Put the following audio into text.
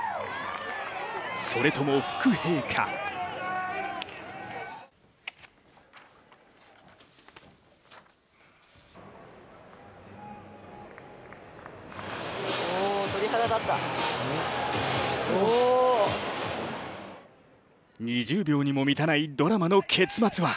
それとも伏兵か２０秒にも満たないドラマの結末は